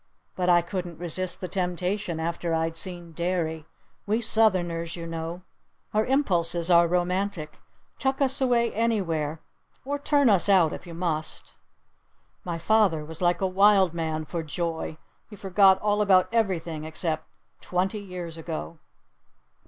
But I couldn't resist the temptation after I'd seen Derry. We Southerners, you know! Our impulses are romantic! Tuck us away anywhere! Or turn us out if you must!" My father was like a wild man for joy! He forgot all about everything except "twenty years ago."